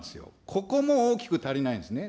ここも大きく足りないんですね。